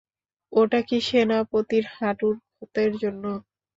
ওটা কি সেনাপতির হাঁটুর ক্ষতের জন্য?